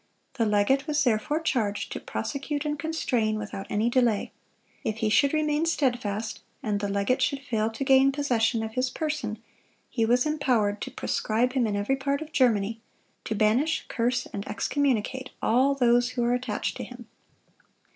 The legate was therefore charged "to prosecute and constrain without any delay." If he should remain steadfast, and the legate should fail to gain possession of his person, he was empowered "to proscribe him in every part of Germany; to banish, curse, and excommunicate all those who are attached to him."